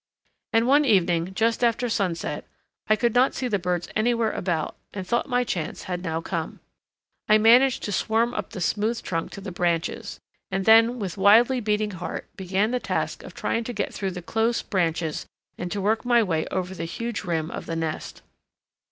And one evening just after sunset I could not see the birds anywhere about and thought my chance had now come. I managed to swarm up the smooth trunk to the branches, and then with wildly beating heart began the task of trying to get through the close branches and to work my way over the huge rim of the nest.